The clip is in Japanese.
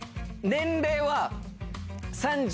年齢は。